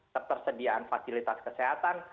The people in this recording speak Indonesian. ketersediaan fasilitas kesehatan